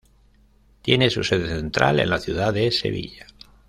Tiene su sede central en la ciudad de Sevilla